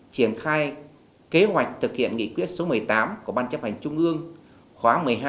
triển khai kế hoạch thực hiện nghị quyết số một mươi tám của ban chấp hành trung ương khóa một mươi hai